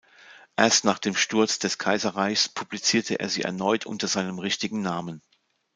Erst nach dem Sturz des Kaiserreichs publizierte er sie erneut unter seinem richtigen Namen.